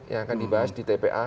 yang akan dibahas di tpa